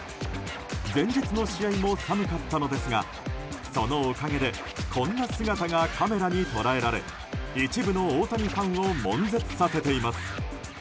前日の試合も寒かったのですがそのおかげでこんな姿がカメラに捉えられ一部の大谷ファンを悶絶させています。